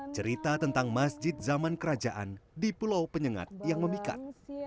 cerita tentang masjid zaman kerajaan di pulau penyengat yang memikat